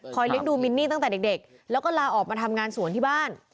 เลี้ยงดูมินนี่ตั้งแต่เด็กแล้วก็ลาออกมาทำงานสวนที่บ้าน